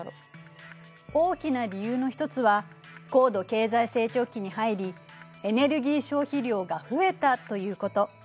大きな理由の一つは高度経済成長期に入りエネルギー消費量が増えたということ。